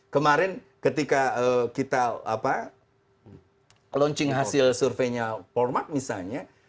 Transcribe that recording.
kemarin ketika kita launching hasil surveinya format misalnya